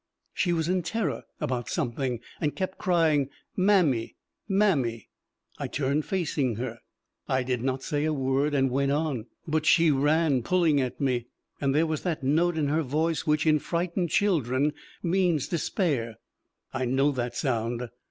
She was in terror about something, and kept crying, "Mammy, mammy!" I turned facing her, I did not say a word and went on; but she ran, pulling at me, and there was that note in her voice which in frightened children means despair. I know that sound.